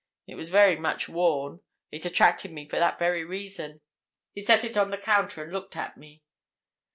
It was very much worn; it attracted me for that very reason. He set it on the counter and looked at me.